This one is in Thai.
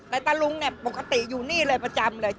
แต่ตะลุงเนี่ยปกติอยู่นี่เลยประจำเลย